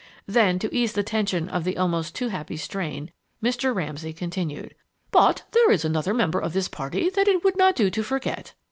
Then, to ease the tension of the almost too happy strain, Mr. Ramsay continued: "But there is another member of this party that it would not do to forget!"